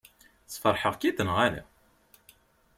Sfeṛḥeɣ-k-id neɣ ala?